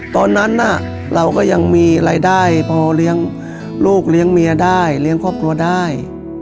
ตอนนั้นเราก็ยังมีรายได้พอเลี้ยงลูกเลี้ยงเมียได้เลี้ยงครอบครัวได้